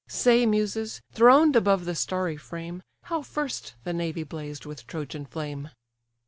Say, Muses, throned above the starry frame, How first the navy blazed with Trojan flame?